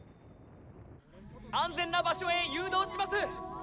安全な場所へ誘導します！